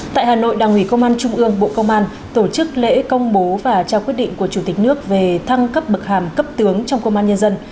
tại hà nội đảng ủy công an trung ương bộ công an tổ chức lễ công bố và trao quyết định của chủ tịch nước về thăng cấp bậc hàm cấp tướng trong công an nhân dân